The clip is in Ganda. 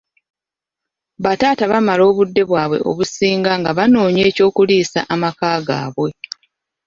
Bataata bamala obudde bwabwe obusinga nga banoonya eky'okuliisa amaka gaabwe.